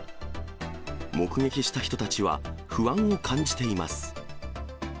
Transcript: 目撃した人たちは、不安を感じています。